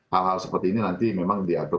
hal hal seperti ini nanti memang diatur